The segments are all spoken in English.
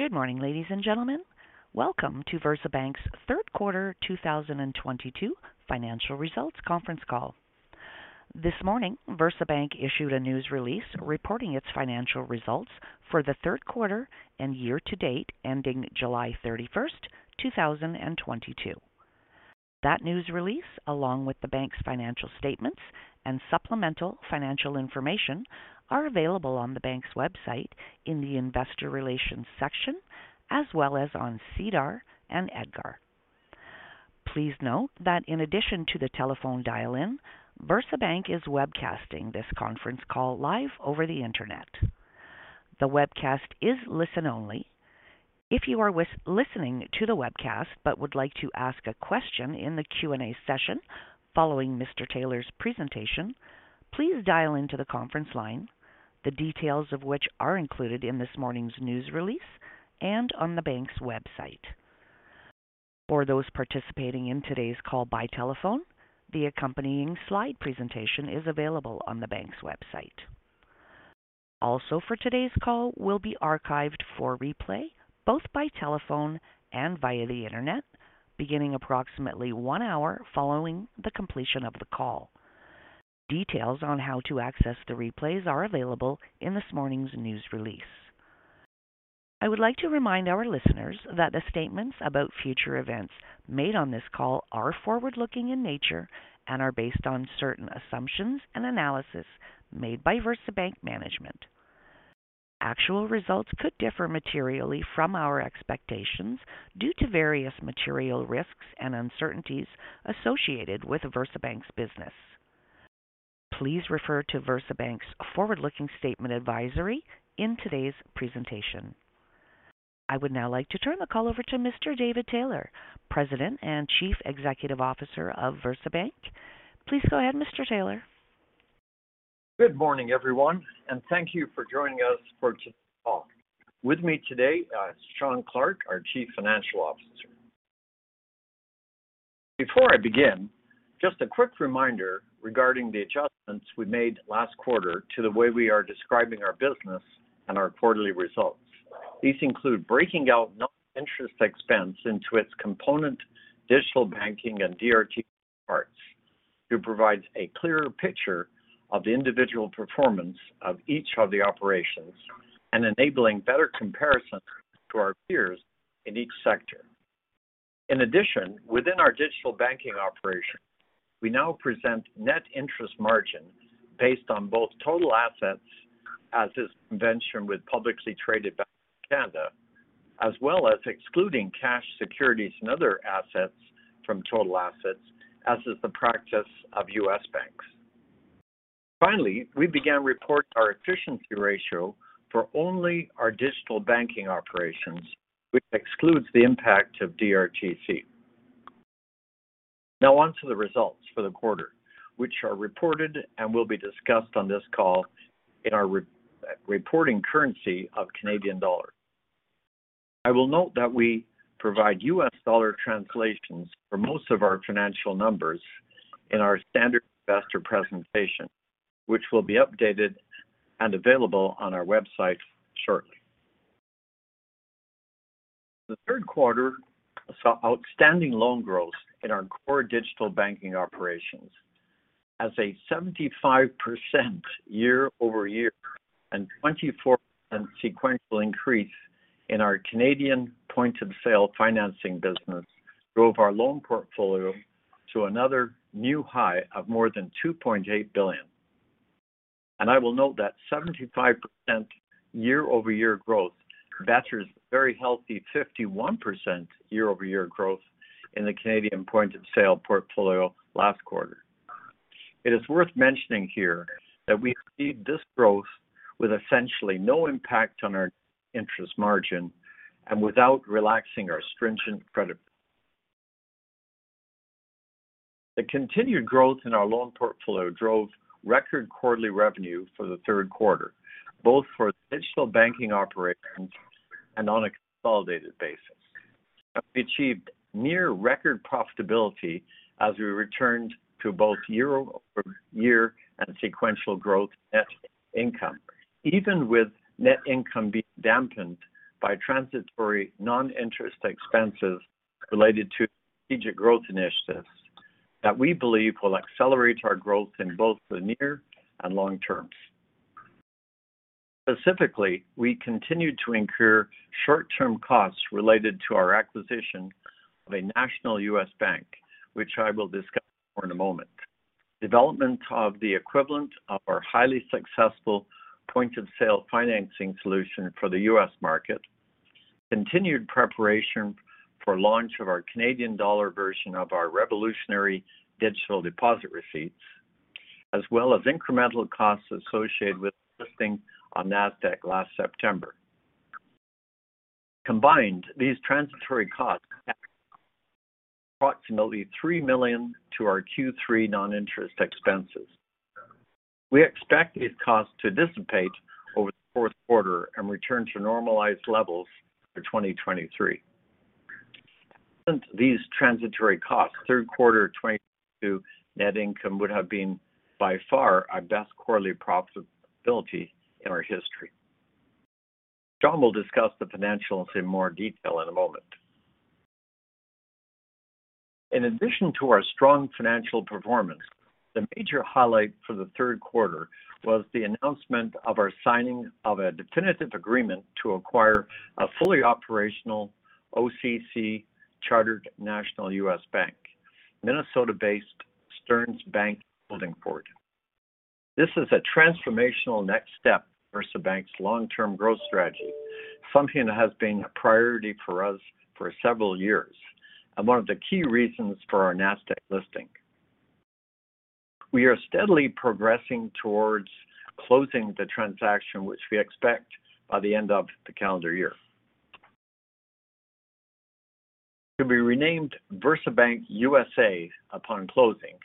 Good morning, ladies and gentlemen. Welcome to VersaBank's third quarter 2022 financial results conference call. This morning, VersaBank issued a news release reporting its financial results for the third quarter and year to date ending July 31, 2022. That news release, along with the bank's financial statements and supplemental financial information, are available on the bank's website in the Investor Relations section, as well as on SEDAR and EDGAR. Please note that in addition to the telephone dial-in, VersaBank is webcasting this conference call live over the Internet. The webcast is listen only. If you are listening to the webcast but would like to ask a question in the Q&A session following Mr. Taylor's presentation, please dial into the conference line, the details of which are included in this morning's news release and on the bank's website. For those participating in today's call by telephone, the accompanying slide presentation is available on the bank's website. Also for today's call will be archived for replay, both by telephone and via the Internet, beginning approximately one hour following the completion of the call. Details on how to access the replays are available in this morning's news release. I would like to remind our listeners that the statements about future events made on this call are forward-looking in nature and are based on certain assumptions and analysis made by VersaBank management. Actual results could differ materially from our expectations due to various material risks and uncertainties associated with VersaBank's business. Please refer to VersaBank's forward-looking statement advisory in today's presentation. I would now like to turn the call over to Mr. David Taylor, President and Chief Executive Officer of VersaBank. Please go ahead, Mr. Taylor. Good morning, everyone, and thank you for joining us for today's call. With me today is Shawn Clarke, our Chief Financial Officer. Before I begin, just a quick reminder regarding the adjustments we made last quarter to the way we are describing our business and our quarterly results. These include breaking out non-interest expense into its component digital banking and DRTC parts to provide a clearer picture of the individual performance of each of the operations and enabling better comparison to our peers in each sector. In addition, within our digital banking operation, we now present net interest margin based on both total assets as is convention with publicly traded banks in Canada, as well as excluding cash securities and other assets from total assets, as is the practice of U.S. banks. Finally, we began reporting our efficiency ratio for only our digital banking operations, which excludes the impact of DRTC. Now onto the results for the quarter, which are reported and will be discussed on this call in our re-reporting currency of Canadian dollar. I will note that we provide U.S. dollar translations for most of our financial numbers in our standard investor presentation, which will be updated and available on our website shortly. The third quarter saw outstanding loan growth in our core digital banking operations. As a 75% year-over-year and 24% sequential increase in our Canadian point-of-sale financing business drove our loan portfolio to another new high of more than 2.8 billion. I will note that 75% year-over-year growth matches very healthy 51% year-over-year growth in the Canadian point-of-sale portfolio last quarter. It is worth mentioning here that we achieved this growth with essentially no impact on our interest margin and without relaxing our stringent credit. The continued growth in our loan portfolio drove record quarterly revenue for the third quarter, both for digital banking operations and on a consolidated basis. We achieved near record profitability as we returned to both year-over-year and sequential growth net income, even with net income being dampened by transitory non-interest expenses related to strategic growth initiatives that we believe will accelerate our growth in both the near and long terms. Specifically, we continued to incur short-term costs related to our acquisition of a national U.S. bank, which I will discuss more in a moment. Development of the equivalent of our highly successful point-of-sale financing solution for the U.S. market, continued preparation for launch of our Canadian dollar version of our revolutionary Digital Deposit Receipts, as well as incremental costs associated with listing on Nasdaq last September. Combined, these transitory costs add approximately 3 million to our Q3 non-interest expenses. We expect these costs to dissipate over the fourth quarter and return to normalized levels for 2023. Without these transitory costs, the third quarter 2022 net income would have been by far our best quarterly profitability in our history. Shawn will discuss the financials in more detail in a moment. In addition to our strong financial performance, the major highlight for the third quarter was the announcement of our signing of a definitive agreement to acquire a fully operational OCC-chartered national U.S. bank, Minnesota-based Stearns Bank Holdingford. This is a transformational next step for VersaBank's long-term growth strategy, something that has been a priority for us for several years and one of the key reasons for our Nasdaq listing. We are steadily progressing towards closing the transaction, which we expect by the end of the calendar year. To be renamed VersaBank USA upon closing,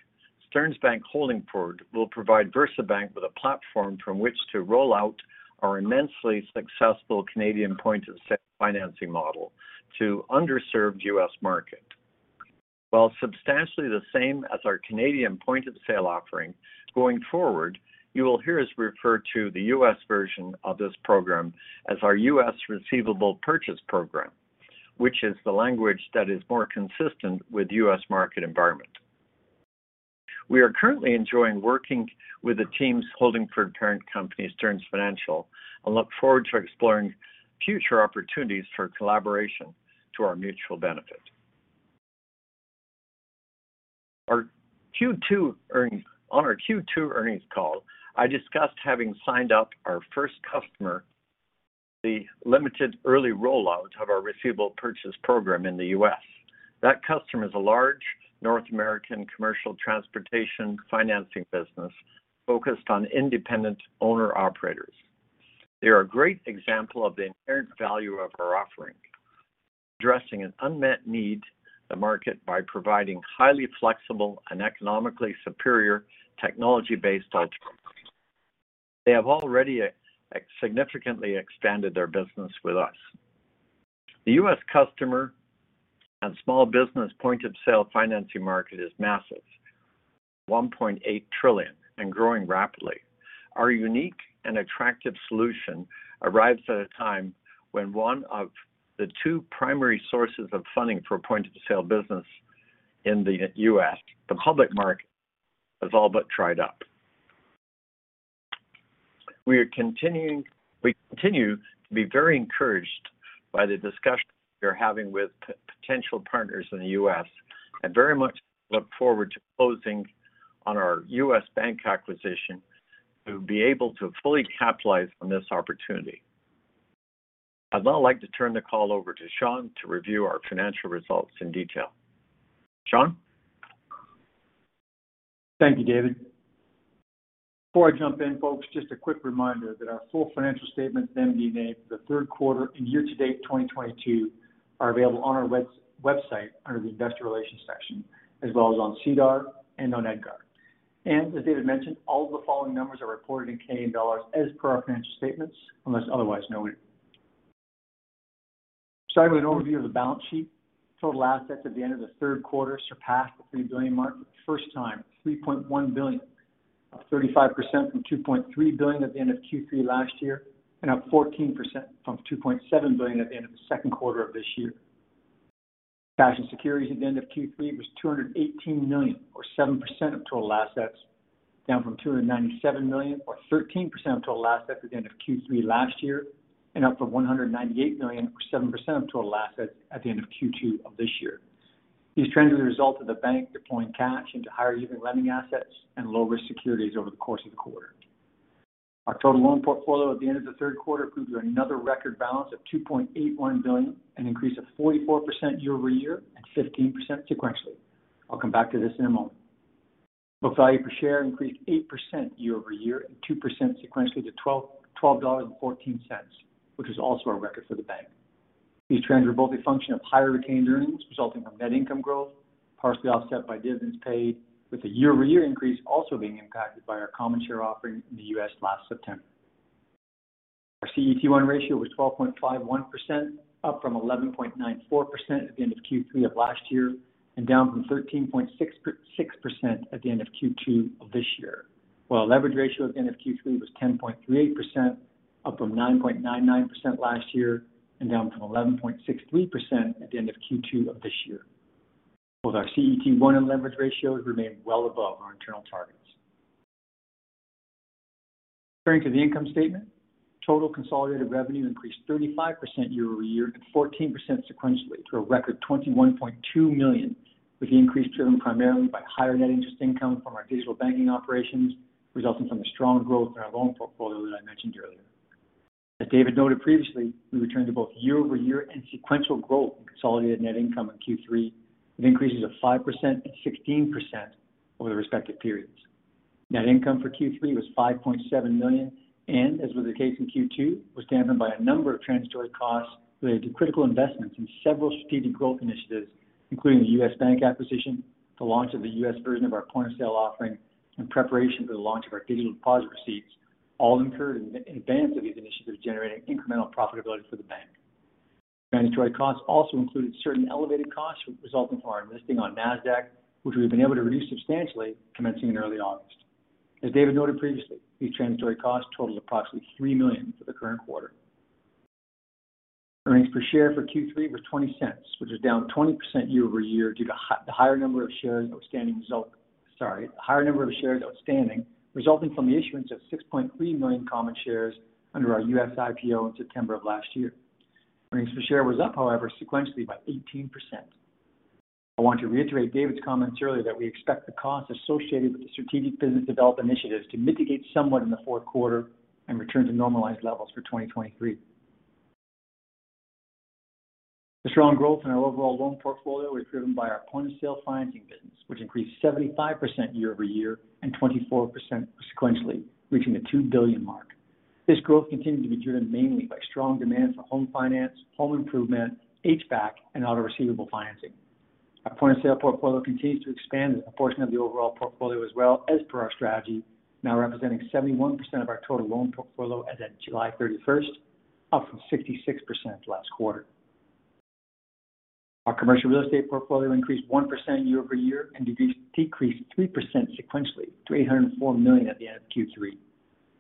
Stearns Bank Holdingford will provide VersaBank with a platform from which to roll out our immensely successful Canadian point-of-sale financing model to underserved U.S. market. While substantially the same as our Canadian point-of-sale offering, going forward, you will hear us refer to the U.S. version of this program as our U.S. Receivable Purchase Program, which is the language that is more consistent with U.S. market environment. We are currently enjoying working with the teams at Holdingford for parent company, Stearns Financial and look forward to exploring future opportunities for collaboration to our mutual benefit. On our Q2 earnings call, I discussed having signed up our first customer for the limited early rollout of our Receivable Purchase Program in the U.S. That customer is a large North American commercial transportation financing business focused on independent owner-operators. They are a great example of the inherent value of our offering, addressing an unmet need in the market by providing highly flexible and economically superior technology-based solutions. They have already significantly expanded their business with us. The U.S. customer and small business point-of-sale financing market is massive, $1.8 trillion and growing rapidly. Our unique and attractive solution arrives at a time when one of the two primary sources of funding for point-of-sale business in the U.S., the public market, has all but dried up. We continue to be very encouraged by the discussions we are having with potential partners in the U.S. and very much look forward to closing on our U.S. bank acquisition to be able to fully capitalize on this opportunity. I'd now like to turn the call over to Shawn to review our financial results in detail. Shawn? Thank you, David. Before I jump in, folks, just a quick reminder that our full financial statements for the third quarter and year to date 2022 are available on our website under the Investor Relations section as well as on SEDAR and on EDGAR. As David mentioned, all the following numbers are reported in Canadian dollars as per our financial statements, unless otherwise noted. Starting with an overview of the balance sheet. Total assets at the end of the third quarter surpassed the 3 billion mark for the first time, 3.1 billion, up 35% from 2.3 billion at the end of Q3 last year and up 14% from 2.7 billion at the end of the second quarter of this year. Cash and securities at the end of Q3 was 218 million, or 7% of total assets, down from 297 million or 13% of total assets at the end of Q3 last year, and up from 198 million or 7% of total assets at the end of Q2 of this year. These trends are the result of the bank deploying cash into higher yielding lending assets and low-risk securities over the course of the quarter. Our total loan portfolio at the end of the third quarter proved another record balance of 2.81 billion, an increase of 44% year-over-year and 15% sequentially. I'll come back to this in a moment. Book value per share increased 8% year-over-year and 2% sequentially to 12.14 dollars, which is also a record for the bank. These trends were both a function of higher retained earnings resulting from net income growth, partially offset by dividends paid, with the year-over-year increase also being impacted by our common share offering in the U.S. last September. Our CET1 ratio was 12.51%, up from 11.94% at the end of Q3 of last year and down from 13.66% at the end of Q2 of this year. While our leverage ratio at the end of Q3 was 10.38%, up from 9.99% last year and down from 11.63% at the end of Q2 of this year. Both our CET1 and leverage ratios remain well above our internal targets. Turning to the income statement, total consolidated revenue increased 35% year-over-year, and 14% sequentially to a record 21.2 million, with the increase driven primarily by higher net interest income from our digital banking operations, resulting from the strong growth in our loan portfolio that I mentioned earlier. As David noted previously, we returned to both year-over-year and sequential growth in consolidated net income in Q3, with increases of 5% and 16% over the respective periods. Net income for Q3 was 5.7 million, and as was the case in Q2, was dampened by a number of transitory costs related to critical investments in several strategic growth initiatives, including the U.S. bank acquisition, the launch of the U.S. version of our point-of-sale offering, and preparation for the launch of our Digital Deposit Receipts. All incurred in advance of these initiatives generating incremental profitability for the bank. Mandatory costs also included certain elevated costs resulting from our listing on Nasdaq, which we've been able to reduce substantially commencing in early August. As David noted previously, these transitory costs totaled approximately 3 million for the current quarter. Earnings per share for Q3 was 0.20, which is down 20% year-over-year due to the higher number of shares outstanding. The higher number of shares outstanding resulting from the issuance of 6.3 million common shares under our U.S. IPO in September of last year. Earnings per share was up, however, sequentially by 18%. I want to reiterate David's comments earlier that we expect the costs associated with the strategic business development initiatives to mitigate somewhat in the fourth quarter and return to normalized levels for 2023. The strong growth in our overall loan portfolio was driven by our point-of-sale financing business, which increased 75% year-over-year and 24% sequentially, reaching the 2 billion mark. This growth continued to be driven mainly by strong demand for home finance, home improvement, HVAC, and auto receivable financing. Our point-of-sale portfolio continues to expand as a portion of the overall portfolio as well as per our strategy, now representing 71% of our total loan portfolio as at July 31st, up from 66% last quarter. Our commercial real estate portfolio increased 1% year-over-year and decreased 3% sequentially to 804 million at the end of Q3.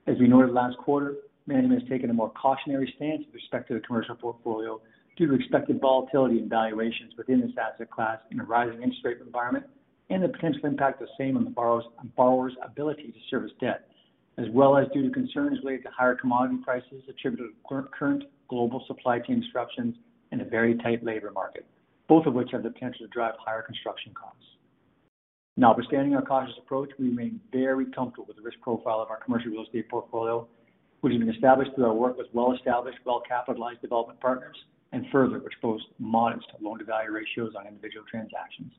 As we noted last quarter, management has taken a more cautionary stance with respect to the commercial portfolio due to expected volatility and valuations within this asset class in a rising interest rate environment and the potential impact of the same on borrowers' ability to service debt, as well as due to concerns related to higher commodity prices attributed to current global supply chain disruptions and a very tight labor market, both of which have the potential to drive higher construction costs. Notwithstanding our cautious approach, we remain very comfortable with the risk profile of our commercial real estate portfolio, which has been established through our work with well-established, well-capitalized development partners, and further, which pose modest loan-to-value ratios on individual transactions.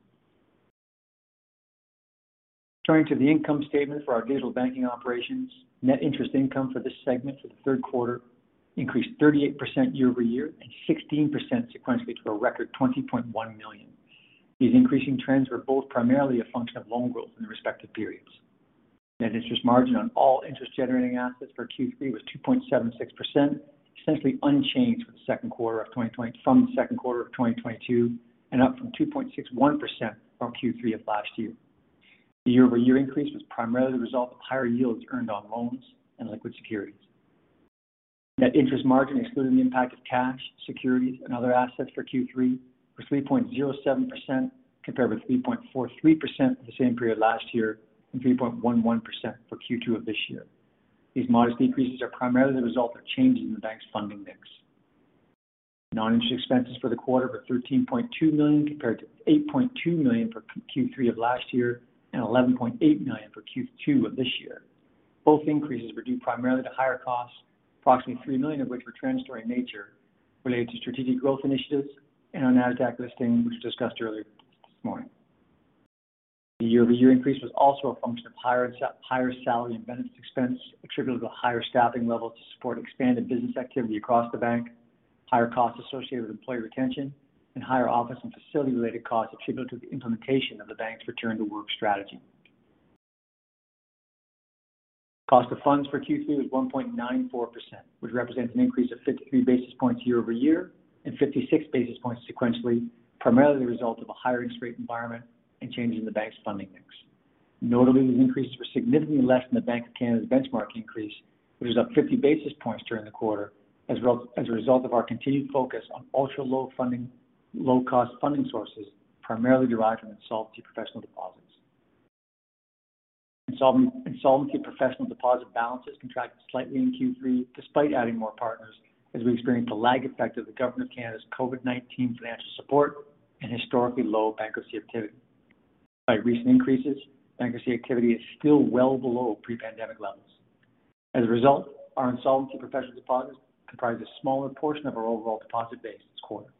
Turning to the income statement for our digital banking operations, net interest income for this segment for the third quarter increased 38% year-over-year and 16% sequentially to a record 20.1 million. These increasing trends were both primarily a function of loan growth in the respective periods. Net interest margin on all interest-generating assets for Q3 was 2.76%, essentially unchanged from the second quarter of 2022 and up from 2.61% from Q3 of last year. The year-over-year increase was primarily the result of higher yields earned on loans and liquid securities. Net interest margin excluding the impact of cash, securities, and other assets for Q3 were 3.07% compared with 3.43% for the same period last year and 3.11% for Q2 of this year. These modest decreases are primarily the result of changes in the bank's funding mix. Non-interest expenses for the quarter were CAD 13.2 million compared to CAD 8.2 million for Q3 of last year and CAD 11.8 million for Q2 of this year. Both increases were due primarily to higher costs, approximately CAD 3 million of which were transitory in nature related to strategic growth initiatives and our Nasdaq listing, which was discussed earlier this morning. The year-over-year increase was also a function of higher higher salary and benefits expense attributable to higher staffing levels to support expanded business activity across the bank, higher costs associated with employee retention, and higher office and facility-related costs attributable to the implementation of the bank's return to work strategy. Cost of funds for Q3 was 1.94%, which represents an increase of 53 basis points year-over-year and 56 basis points sequentially, primarily the result of a higher interest rate environment and changes in the bank's funding mix. Notably, these increases were significantly less than the Bank of Canada's benchmark increase, which was up 50 basis points during the quarter as well, as a result of our continued focus on low cost funding sources, primarily derived from insolvency professional deposits. Insolvency professional deposit balances contracted slightly in Q3 despite adding more partners as we experienced a lag effect of the Government of Canada's COVID-19 financial support and historically low bankruptcy activity. Despite recent increases, bankruptcy activity is still well below pre-pandemic levels. As a result, our insolvency professional deposits comprise a smaller portion of our overall deposit base this quarter.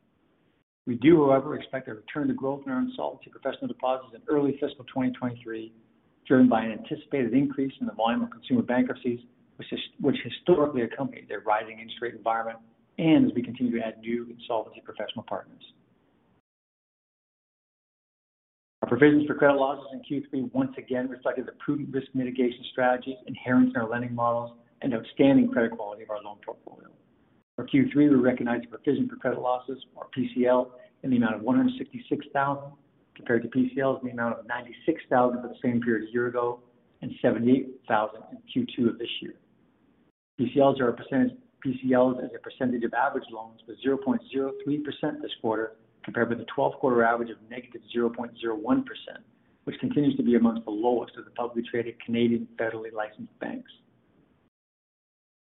We do, however, expect a return to growth in our insolvency professional deposits in early fiscal 2023, driven by an anticipated increase in the volume of consumer bankruptcies, which historically accompanied the rising interest rate environment and as we continue to add new insolvency professional partners. Our provisions for credit losses in Q3 once again reflected the prudent risk mitigation strategies inherent in our lending models and outstanding credit quality of our loan portfolio. For Q3, we recognized a provision for credit losses or PCL in the amount of 166,000 compared to PCLs in the amount of 96,000 for the same period a year ago and 78,000 in Q2 of this year. PCLs as a percentage of average loans was 0.03% this quarter compared with the 12-quarter average of -0.01%, which continues to be among the lowest of the publicly traded Canadian federally licensed banks.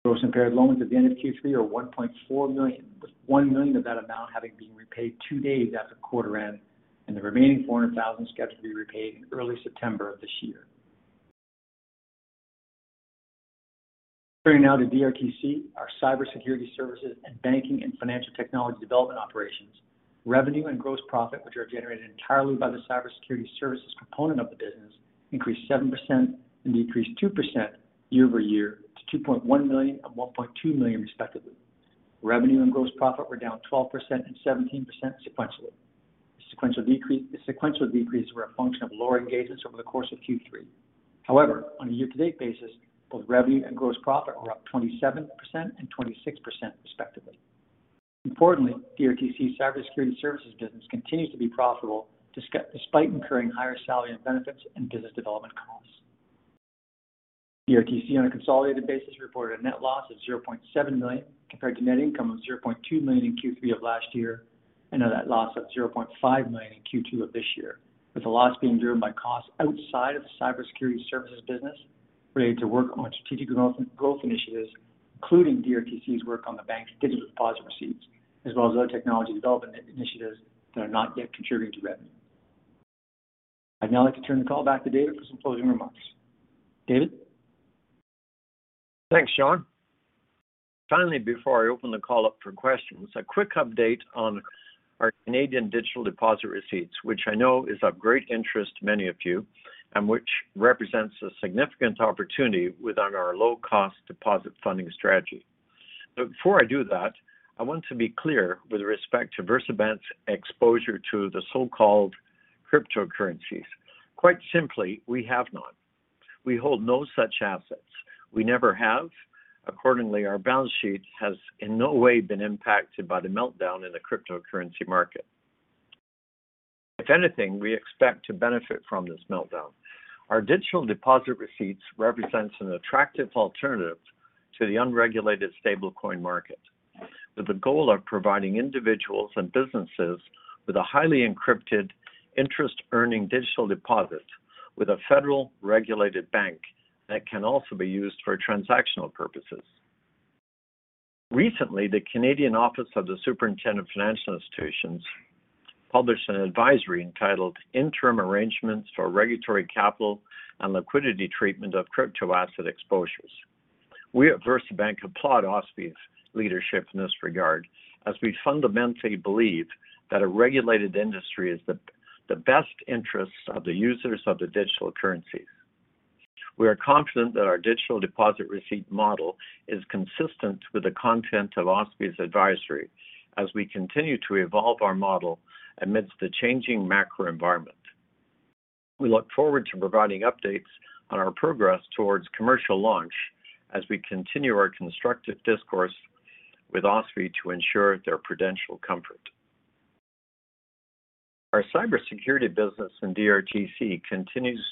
Gross impaired loans at the end of Q3 are 1.4 million, with 1 million of that amount having been repaid two days after quarter end and the remaining 400,000 scheduled to be repaid in early September of this year. Turning now to DRTC, our cybersecurity services and banking and financial technology development operations. Revenue and gross profit, which are generated entirely by the cybersecurity services component of the business, increased 7% and decreased 2% year-over-year to 2.1 million and 1.2 million respectively. Revenue and gross profit were down 12% and 17% sequentially. The sequential decrease was a function of lower engagements over the course of Q3. However, on a year-to-date basis, both revenue and gross profit were up 27% and 26% respectively. Importantly, DRTC cybersecurity services business continues to be profitable despite incurring higher salary and benefits and business development costs. DRTC, on a consolidated basis, reported a net loss of 0.7 million, compared to net income of 0.2 million in Q3 of last year and a net loss of 0.5 million in Q2 of this year, with the loss being driven by costs outside of the cybersecurity services business related to work on strategic growth initiatives, including DRTC's work on the bank's Digital Deposit Receipts, as well as other technology development initiatives that are not yet contributing to revenue. I'd now like to turn the call back to David for some closing remarks. David? Thanks, Shawn. Finally, before I open the call up for questions, a quick update on our Canadian digital deposit receipts, which I know is of great interest to many of you and which represents a significant opportunity within our low-cost deposit funding strategy. Before I do that, I want to be clear with respect to VersaBank's exposure to the so-called cryptocurrencies. Quite simply, we have none. We hold no such assets. We never have. Accordingly, our balance sheet has in no way been impacted by the meltdown in the cryptocurrency market. If anything, we expect to benefit from this meltdown. Our digital deposit receipts represents an attractive alternative to the unregulated stablecoin market, with the goal of providing individuals and businesses with a highly encrypted interest earning digital deposit with a federal regulated bank that can also be used for transactional purposes. Recently, the Canadian Office of the Superintendent of Financial Institutions published an advisory entitled Interim Arrangements for Regulatory Capital and Liquidity Treatment of Crypto-Asset Exposures. We at VersaBank applaud OSFI's leadership in this regard, as we fundamentally believe that a regulated industry is the best interest of the users of the digital currencies. We are confident that our Digital Deposit Receipt model is consistent with the content of OSFI's advisory as we continue to evolve our model amidst the changing macro environment. We look forward to providing updates on our progress towards commercial launch as we continue our constructive discourse with OSFI to ensure their prudential comfort. Our cybersecurity business in DRTC continues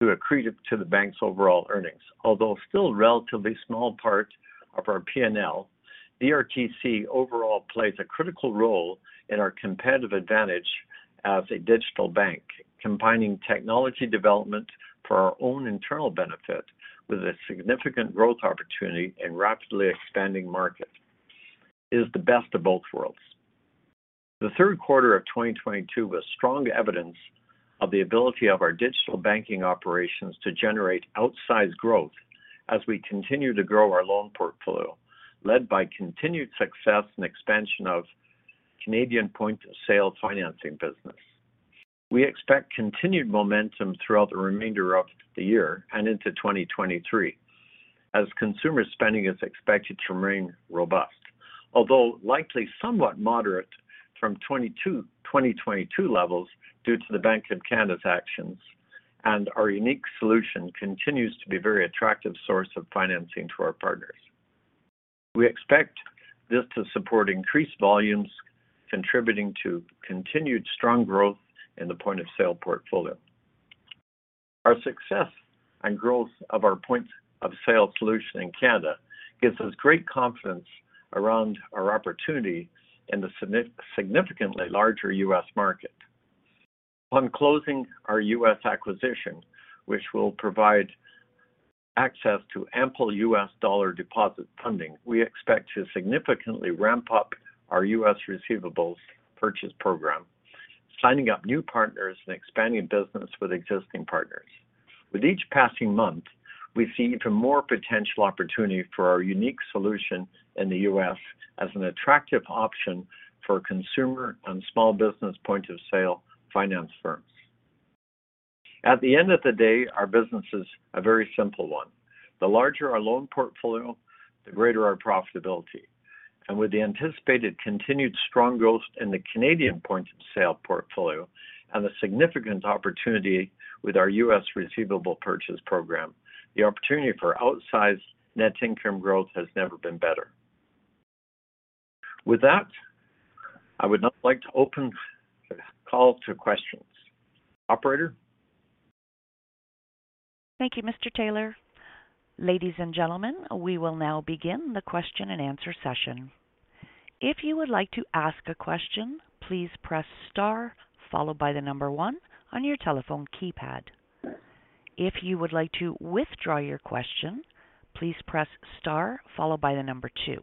to accrete to the bank's overall earnings. Although still relatively small part of our PNL, DRTC overall plays a critical role in our competitive advantage as a digital bank, combining technology development for our own internal benefit with a significant growth opportunity in rapidly expanding market. It is the best of both worlds. The third quarter of 2022 was strong evidence of the ability of our digital banking operations to generate outsized growth as we continue to grow our loan portfolio, led by continued success and expansion of Canadian point-of-sale financing business. We expect continued momentum throughout the remainder of the year and into 2023 as consumer spending is expected to remain robust. Although likely somewhat moderate from 2022 levels due to the Bank of Canada's actions, and our unique solution continues to be very attractive source of financing to our partners. We expect this to support increased volumes, contributing to continued strong growth in the point of sale portfolio. Our success and growth of our point of sale solution in Canada gives us great confidence around our opportunity in the significantly larger U.S. market. On closing our U.S. acquisition, which will provide access to ample U.S. dollar deposit funding, we expect to significantly ramp up our U.S. Receivables Purchase Program, signing up new partners and expanding business with existing partners. With each passing month, we see even more potential opportunity for our unique solution in the U.S. as an attractive option for consumer and small business point of sale finance firms. At the end of the day, our business is a very simple one. The larger our loan portfolio, the greater our profitability. With the anticipated continued strong growth in the Canadian point of sale portfolio and the significant opportunity with our U.S. Receivable Purchase Program, the opportunity for outsized net income growth has never been better. With that, I would now like to open the call to questions. Operator? Thank you, Mr. Taylor. Ladies and gentlemen, we will now begin the question and answer session. If you would like to ask a question, please press star followed by the number one on your telephone keypad. If you would like to withdraw your question, please press star followed by the number two.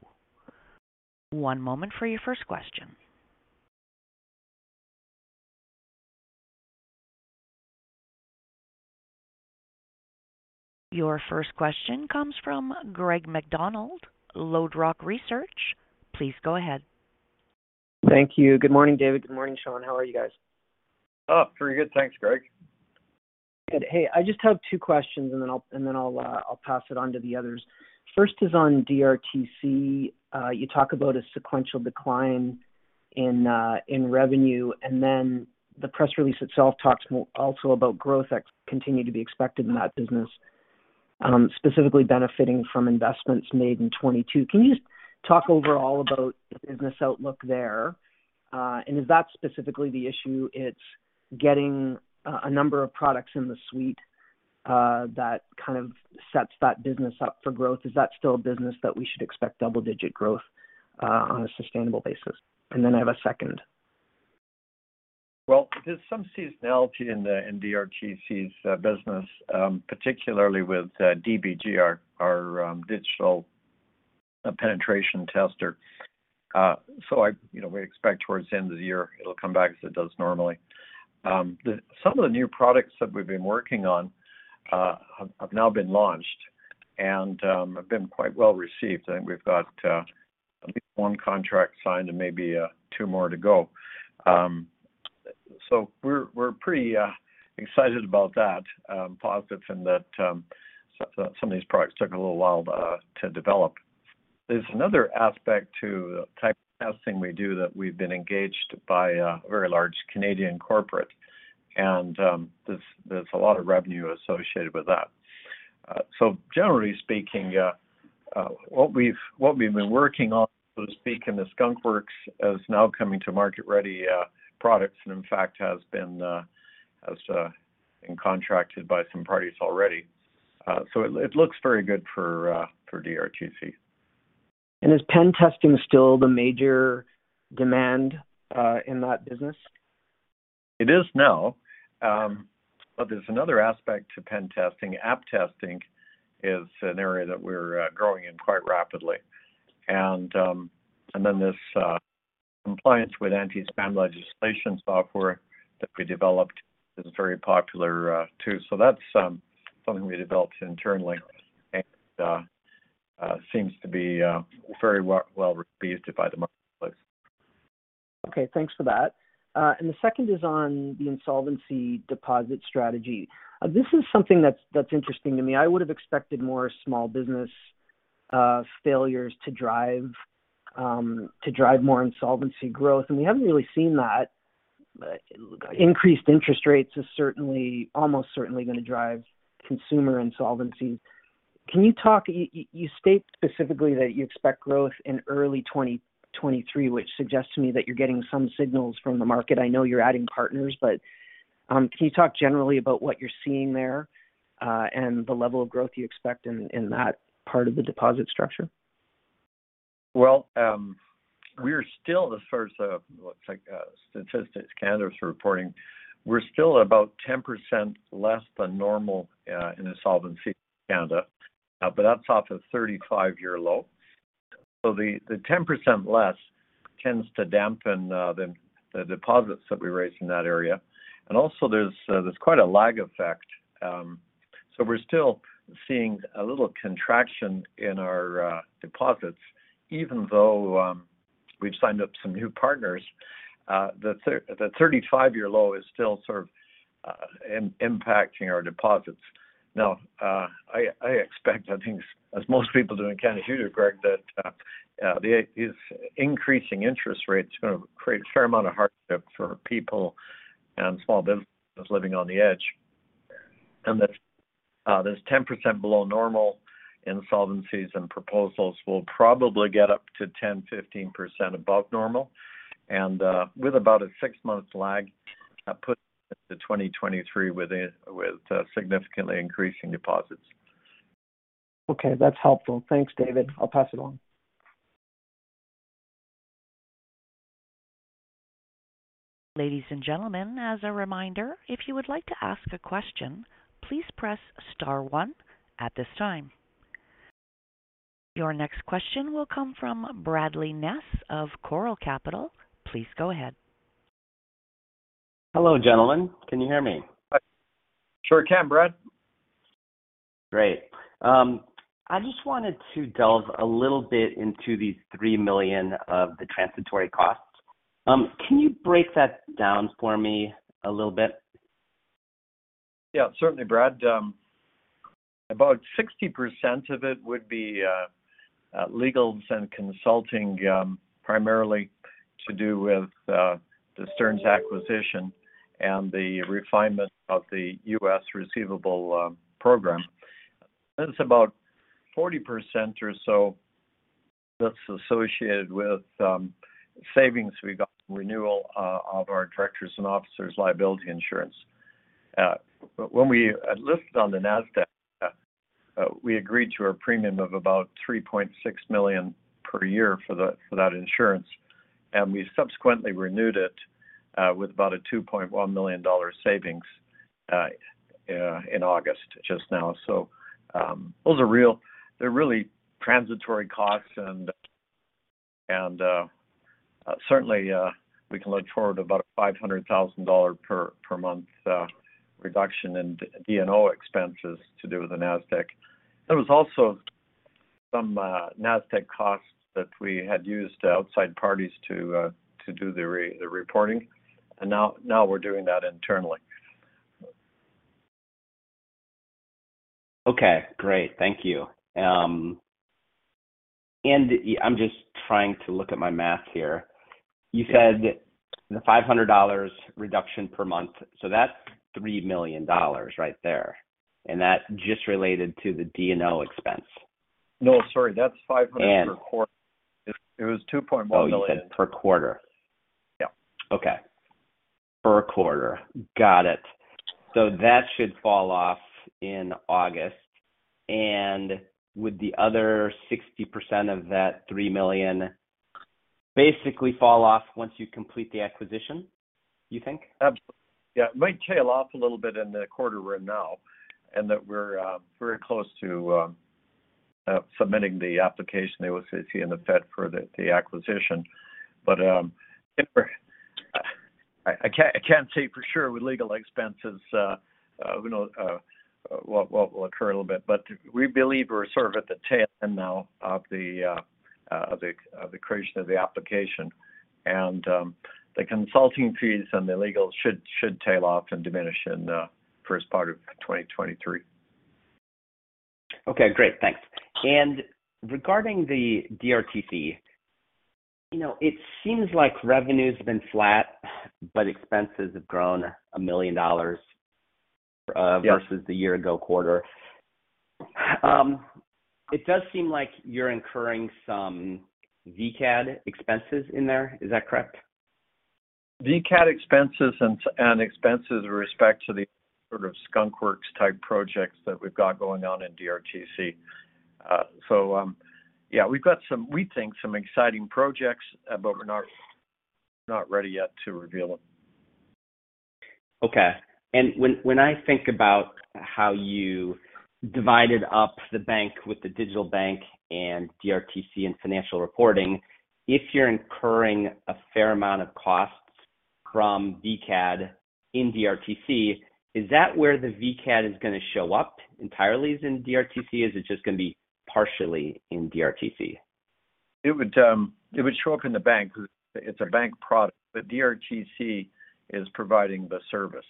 One moment for your first question. Your first question comes from Greg MacDonald, LodeRock Research. Please go ahead. Thank you. Good morning, David. Good morning, Shawn. How are you guys? Oh, pretty good. Thanks, Greg. Good. Hey, I just have two questions, and then I'll pass it on to the others. First is on DRTC. You talk about a sequential decline in revenue, and then the press release itself talks also about growth expected to continue in that business, specifically benefiting from investments made in 2022. Can you just talk overall about the business outlook there? And is that specifically the issue, it's getting a number of products in the suite that kind of sets that business up for growth? Is that still a business that we should expect double-digit growth on a sustainable basis? And then I have a second. Well, there's some seasonality in DRTC's business, particularly with DBGR, our digital penetration tester. You know, we expect towards the end of the year, it'll come back as it does normally. Some of the new products that we've been working on have now been launched and have been quite well received. I think we've got at least one contract signed and maybe two more to go. We're pretty excited about that, positive in that some of these products took a little while to develop. There's another aspect to the type of testing we do that we've been engaged by a very large Canadian corporate, and there's a lot of revenue associated with that. Generally speaking, what we've been working on, so to speak, in the skunkworks is now coming to market-ready products and in fact has been contracted by some parties already. It looks very good for DRTC. Is pen testing still the major demand in that business? It is now. There's another aspect to pen testing. App testing is an area that we're growing in quite rapidly. Compliance with Anti-Spam Legislation software that we developed is very popular, too. That's something we developed internally and seems to be very well received by the marketplace. Okay, thanks for that. The second is on the insolvency deposit strategy. This is something that's interesting to me. I would have expected more small business failures to drive more insolvency growth, and we haven't really seen that. Increased interest rates is certainly, almost certainly gonna drive consumer insolvency. Can you talk. You state specifically that you expect growth in early 2023, which suggests to me that you're getting some signals from the market. I know you're adding partners, but can you talk generally about what you're seeing there, and the level of growth you expect in that part of the deposit structure? Well, we're still, looks like, Statistics Canada is reporting we're still about 10% less than normal in insolvencies in Canada, but that's off a 35-year low. The 10% less tends to dampen the deposits that we raise in that area. There's quite a lag effect. We're still seeing a little contraction in our deposits, even though we've signed up some new partners. The 35-year low is still sort of impacting our deposits. Now, I expect, I think as most people do in Canada, Greg, that these increasing interest rates are gonna create a fair amount of hardship for people and small businesses living on the edge. That this 10% below normal insolvencies and proposals will probably get up to 10%-15% above normal and, with about a six-month lag, put into 2023 with significantly increasing deposits. Okay. That's helpful. Thanks, David. I'll pass it on. Ladies and gentlemen, as a reminder, if you would like to ask a question, please press star one at this time. Your next question will come from Bradley Ness of Choral Capital. Please go ahead. Hello, gentlemen. Can you hear me? Sure can, Brad. Great. I just wanted to delve a little bit into these 3 million of the transitory costs. Can you break that down for me a little bit? Yeah, certainly, Brad. About 60% of it would be legal and consulting primarily to do with the Stearns acquisition and the refinement of the U.S. receivable program. It's about 40% or so that's associated with savings we got from renewal of our directors and officers liability insurance. When we listed on the Nasdaq, we agreed to a premium of about 3.6 million per year for that insurance, and we subsequently renewed it with about a 2.1 million dollar savings in August just now. Those are really transitory costs and certainly we can look forward to about 500,000 dollar per month reduction in D&O expenses to do with the Nasdaq. There was also some Nasdaq costs that we had used outside parties to do the reporting. Now we're doing that internally. Okay, great. Thank you. I'm just trying to look at my math here. You said the 500 dollars reduction per month, so that's 3 million dollars right there. That just related to the D&O expense. No, sorry. That's five. And- 100 per quarter. It was 2.1 million. Oh, you said per quarter. Yeah. Okay. Per quarter. Got it. That should fall off in August. Would the other 60% of that 3 million basically fall off once you complete the acquisition, you think? Absolutely. Yeah. It might tail off a little bit in the quarter we're in now, in that we're very close to submitting the application to OCC and Federal Reserve for the acquisition. I can't say for sure with legal expenses, you know, what will occur a little bit, but we believe we're sort of at the tail end now of the creation of the application. The consulting fees and the legal should tail off and diminish in the first part of 2023. Okay, great. Thanks. Regarding the DRTC, you know, it seems like revenue's been flat, but expenses have grown 1 million dollars. Yeah Versus the year ago quarter. It does seem like you're incurring some VCAD expenses in there. Is that correct? VCAD expenses and expenses with respect to the sort of skunk works type projects that we've got going on in DRTC. Yeah, we've got some, we think some exciting projects, but we're not ready yet to reveal them. Okay. When I think about how you divided up the bank with the digital bank and DRTC and financial reporting, if you're incurring a fair amount of costs from VCAD in DRTC, is that where the VCAD is gonna show up entirely is in DRTC, or is it just gonna be partially in DRTC? It would, it would show up in the bank. It's a bank product, but DRTC is providing the service.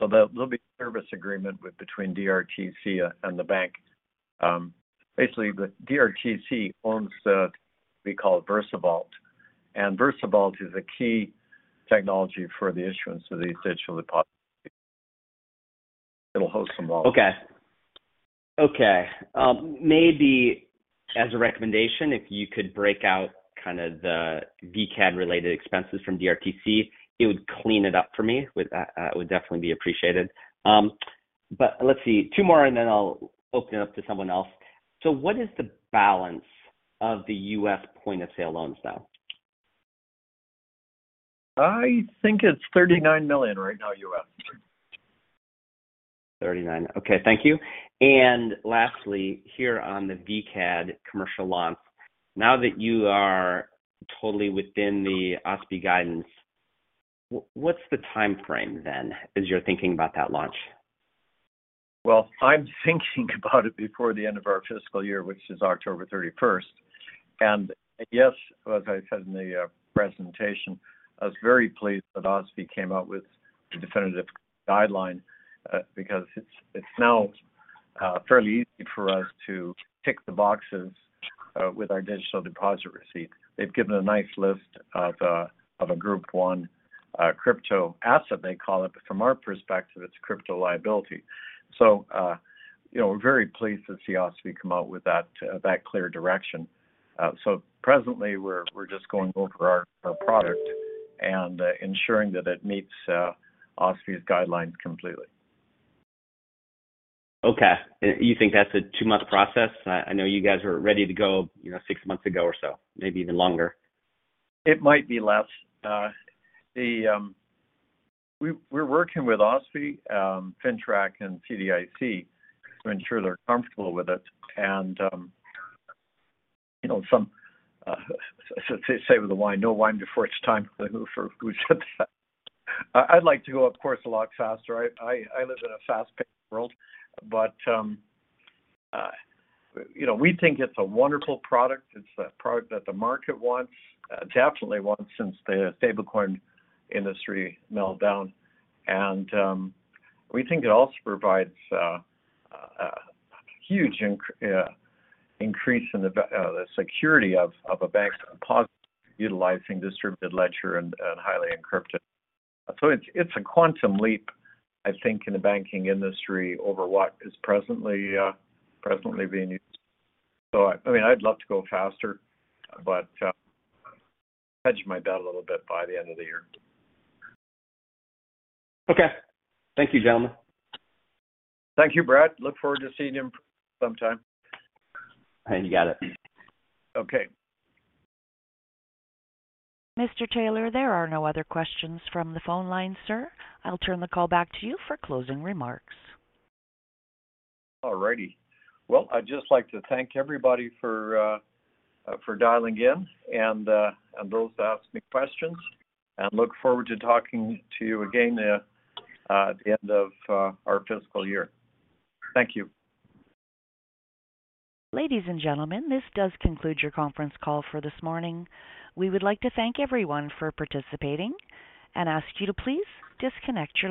There will be a service agreement between DRTC and the bank. Basically, the DRTC owns the, we call it VersaVault. VersaVault is a key technology for the issuance of these digital deposits. It'll host them all. Maybe as a recommendation, if you could break out kind of the VCAD-related expenses from DRTC, it would clean it up for me. With that, it would definitely be appreciated. Let's see. Two more, and then I'll open it up to someone else. What is the balance of the U.S. point-of-sale loans now? I think it's $39 million right now U.S. $39 million. Okay, thank you. Lastly, here on the VCAD commercial launch, now that you are totally within the OSFI guidance, what's the timeframe then as you're thinking about that launch? Well, I'm thinking about it before the end of our fiscal year, which is October 31st. Yes, as I said in the presentation, I was very pleased that OSFI came out with the definitive guideline, because it's now fairly easy for us to tick the boxes with our digital deposit receipt. They've given a nice list of a group one crypto asset, they call it, but from our perspective, it's crypto liability. You know, we're very pleased to see OSFI come out with that clear direction. Presently, we're just going over our product and ensuring that it meets OSFI's guidelines completely. Okay. You think that's a two-month process? I know you guys were ready to go, you know, six months ago or so, maybe even longer. It might be less. We're working with OSFI, FINTRAC and CDIC to ensure they're comfortable with it. You know, some say with the wine, no wine before it's time for the goose. I'd like to go, of course, a lot faster. I live in a fast-paced world. You know, we think it's a wonderful product. It's a product that the market wants, it's absolutely wants since the stablecoin industry meltdown. We think it also provides a huge increase in the security of a bank deposit utilizing distributed ledger and highly encrypted. It's a quantum leap, I think, in the banking industry over what is presently being used. I mean, I'd love to go faster, but hedge my bet a little bit by the end of the year. Okay. Thank you, gentlemen. Thank you, Brad. Look forward to seeing you sometime. You got it. Okay. Mr. Taylor, there are no other questions from the phone line, sir. I'll turn the call back to you for closing remarks. All righty. Well, I'd just like to thank everybody for dialing in and those asking questions, and look forward to talking to you again at the end of our fiscal year. Thank you. Ladies and gentlemen, this does conclude your conference call for this morning. We would like to thank everyone for participating and ask you to please disconnect your lines.